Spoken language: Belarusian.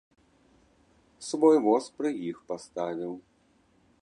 Свой воз пры іх паставіў.